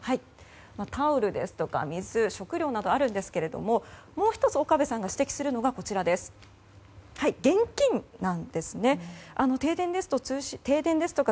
タオルですとか水、食料などがあるんですがもう１つ岡部さんが指摘するのが現金なんですね。